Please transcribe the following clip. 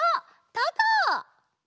たこ！